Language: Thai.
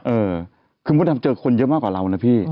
เออคือมดดำเจอคนเยอะมากกว่าเรานะพี่